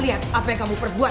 lihat apa yang kamu perbuat